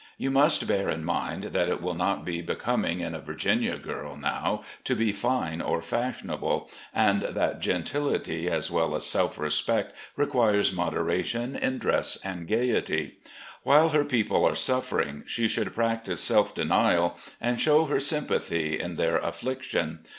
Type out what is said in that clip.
You must bear in mind that it will not be becoming in a Virginia girl now to be fine or fashionable, and that gentility as well as self respect requires moderation in dress and gaiety. While her people are suffering, she should practise self denial and show her sympathy in their affliction.